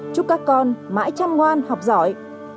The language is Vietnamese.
chúc các con mãi chăm ngoan học giỏi